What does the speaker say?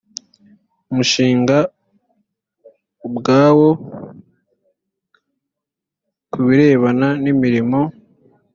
mushinga ubwawo ku birebana n imirimo